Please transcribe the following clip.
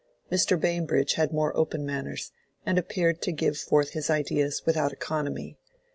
Mr. Bambridge had more open manners, and appeared to give forth his ideas without economy.